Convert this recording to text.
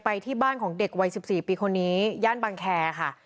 ไปที่บ้านของเด็กวัยสิบสี่ปีคนนี้ย่านบังแครค่ะ